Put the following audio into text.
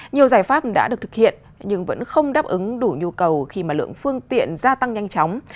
nhiều giải pháp đã được thực hiện nhưng vẫn không đáp ứng đủ nhu cầu khi mà lượng phương tiện gia tăng nhanh chóng